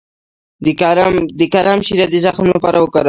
د کرم شیره د زخم لپاره وکاروئ